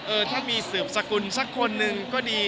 ถ้ามีสืบสกุลสักคนหนึ่งก็ดี